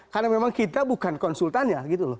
karena memang kita bukan konsultan